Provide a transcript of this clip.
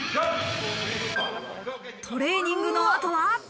トレーニングの後は。